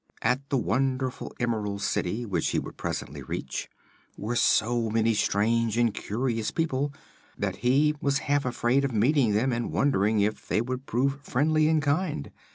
At the wonderful Emerald City, which he would presently reach, were so many strange and curious people that he was half afraid of meeting them and wondered if they would prove friendly and kind.